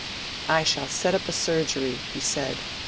"I shall set up a surgery," he said.